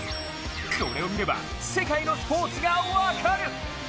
これを見れば、世界のスポーツが分かる。